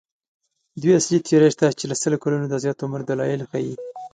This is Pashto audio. دوې اصلي تیورۍ شته چې له سلو کلونو د زیات عمر دلایل ښيي.